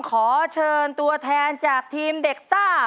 ขอเชิญตัวแทนจากทีมเด็กซ่า